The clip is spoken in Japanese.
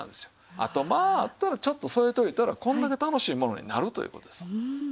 あとまああったらちょっと添えておいたらこんだけ楽しいものになるという事ですわ。